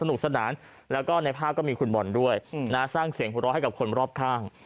มีความหนขายด้วยน่ะสร้างเสียงร้อให้กับคนรอบทาง